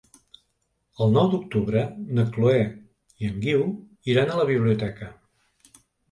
El nou d'octubre na Chloé i en Guiu iran a la biblioteca.